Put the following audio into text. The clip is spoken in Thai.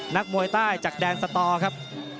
นักมวยใต้จากแดนสตอครับ